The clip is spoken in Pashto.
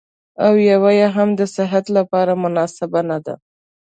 او يوه يې هم د صحت لپاره مناسبه نه ده.